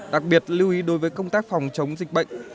đặc biệt lưu ý đối với công tác phòng chống dịch bệnh